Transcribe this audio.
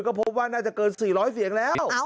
ก็พบว่าน่าจะเกิน๔๐๐เสียงแล้ว